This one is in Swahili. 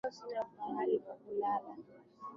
Leo sina pahali pa kulala